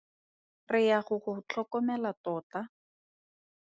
Re ya go go tlhokomela tota.